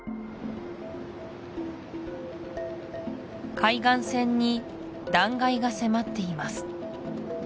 海岸線に断崖が迫っています